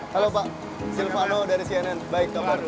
halo pak silvano dari cnn baik apa kabar